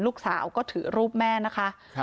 ลูกสาวก็ถือรูปแม่นะคะ